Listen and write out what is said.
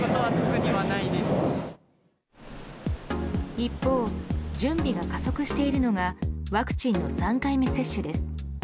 一方、準備が加速しているのがワクチンの３回目接種です。